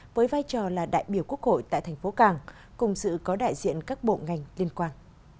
với vai trò là đại biểu quốc hội tại thành phố càng cùng sự có đại diện các bộ ngành liên quan